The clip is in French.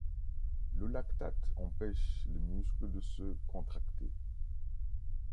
Le lactate empêche les muscles de se contracter.